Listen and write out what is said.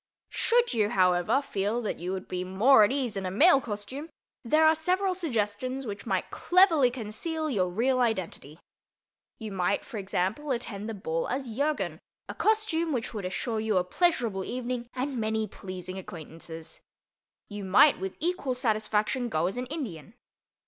Should you, however, feel that you would be more at ease in a male costume, there are several suggestions which might cleverly conceal your real identity. You might, for example, attend the ball as Jurgen—a costume which would assure you a pleasurable evening and many pleasing acquaintances. You might, with equal satisfaction, go as an Indian.